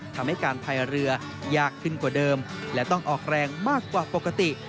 ทำให้การพายเรือยากขึ้นกว่าเดิมและต้องออกแรงมากกว่าปกติ